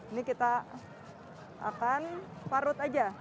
ini kita akan parut aja